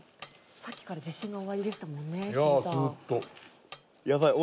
さっきから自信がおありでしたもんねひとりさん。